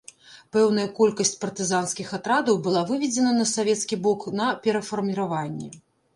Пэўная колькасць партызанскіх атрадаў была выведзена на савецкі бок на перафарміраванне.